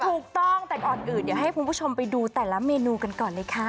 ถูกต้องแต่ก่อนอื่นเดี๋ยวให้คุณผู้ชมไปดูแต่ละเมนูกันก่อนเลยค่ะ